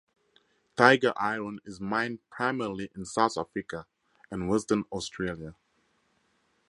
Tiger iron is mined primarily in South Africa and Western Australia.